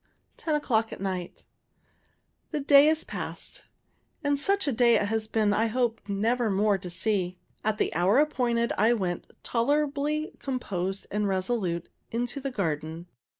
Ten o'clock at night. The day is past; and such a day it has been as I hope nevermore to see. At the hour appointed, I went, tolerably composed and resolute, into the garden.